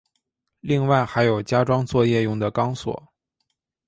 另外还有加装作业用的钢索。